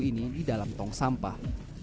ini di dalam tong sampah